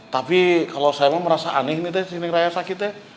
tapi kalau saya mau merasa aneh nih teh si neng raya sakit teh